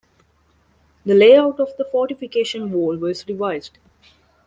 The layout of the fortification wall was revised.